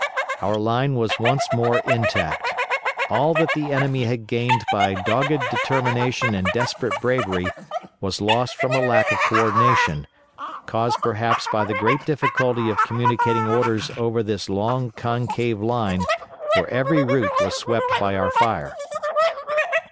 Our line was once more intact. All that the enemy had gained by dogged determination and desperate bravery was lost from a lack of co ordination, caused perhaps by the great difficulty of communicating orders over this long concave line where every route was swept by our fire.